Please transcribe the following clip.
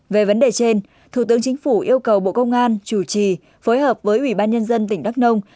về vấn đề trên thủ tướng chính phủ yêu cầu bộ công an chủ trì phối hợp với ủy ban nhân dân tỉnh đắk nông